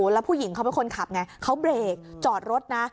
แล้วผู้หญิงเขาเป็นคนขับไงเขาเบรกจอดรถนะ